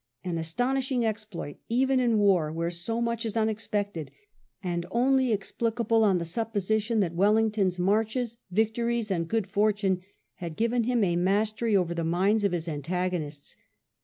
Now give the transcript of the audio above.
An astonishing exploit, even in war where so much is unexpected, and only explicable on the supposition that Wellington's marches, victories, and good fortune had given him a mastery over the minds of his antagonists.